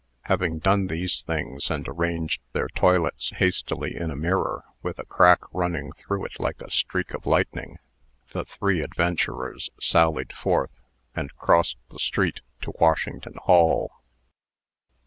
Having done these things, and arranged their toilets hastily in a mirror with a crack running through it like a streak of lightning, the three adventurers sallied forth, and crossed the street to Washington Hall.